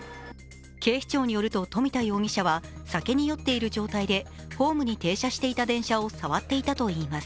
警視庁によると冨田容疑者は酒に酔っている状態でホームに停車していた電車を触っていたといいます。